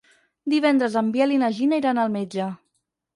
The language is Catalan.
Divendres en Biel i na Gina iran al metge.